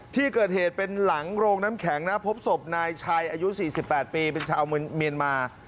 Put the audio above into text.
ที่เกิดเหตุเป็นหลังโรงน้ำแข็งนะพบศพนายชัยอายุ๔๘ปีเป็นชาวเมียนมา